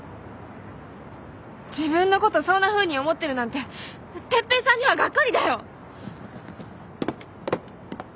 自分のことそんなふうに思ってるなんて哲平さんにはがっかりだよ。